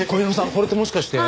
これってもしかして。